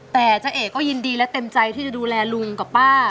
แต่เจ้าเอกก็ยินดีและเต็มใจที่จะดูแลลุงกับป้า